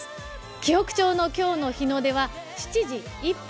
紀北町の今日の日の出は７時１分。